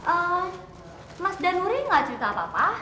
eh mas danuri gak cerita apa apa